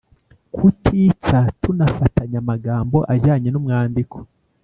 Kutitsa ntunafatanya amagambo ajyanye n’umwandiko